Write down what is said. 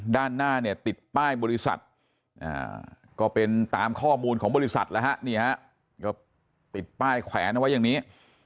ด้านหน้าติดป้ายบริษัทก็เป็นตามข้อมูลของบริษัทติดป้ายแขวนไว้อย่างนี้